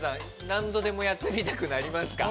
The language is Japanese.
何度でもやってみたくなりますか？